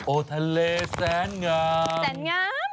โอทะเลแสนงาม